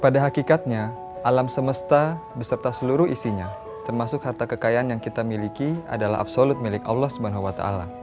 pada hakikatnya alam semesta beserta seluruh isinya termasuk harta kekayaan yang kita miliki adalah absolut milik allah swt